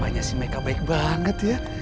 mamanya si meka baik banget ya